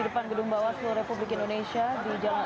di depan gedung bawaslu republik indonesia di jalan m h tamrin